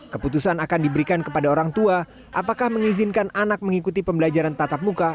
keputusan akan diberikan kepada orang tua apakah mengizinkan anak mengikuti pembelajaran tatap muka